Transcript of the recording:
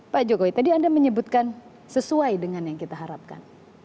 pak jokowi tadi anda menyebutkan sesuai dengan yang kita harapkan